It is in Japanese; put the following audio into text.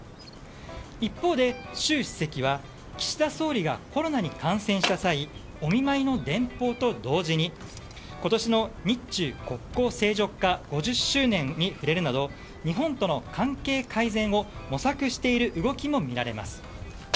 一方で習主席は岸田総理がコロナに感染した際お見舞いの電報と同時に今年の日中国交正常化５０周年に触れるなど日本との関係改善を模索している動きも見られます。